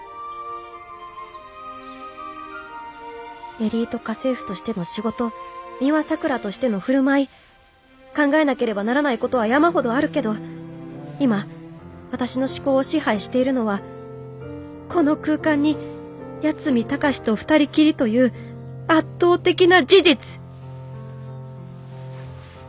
エリート家政婦としての仕事美羽さくらとしての振る舞い考えなければならないことは山ほどあるけど今私の思考を支配しているのはこの空間に八海崇と二人きりという圧倒的な事実！